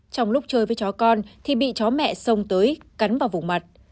trong lúc chơi với cháu con thì bị cháu mẹ sông tới cắn vào vùng mặt